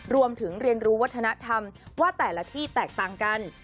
เรียนรู้วัฒนธรรมว่าแต่ละที่แตกต่างกัน